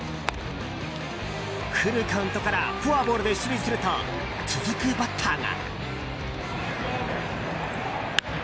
フルカウントからフォアボールで出塁すると続くバッターが。